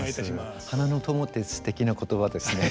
花の友ってすてきな言葉ですね。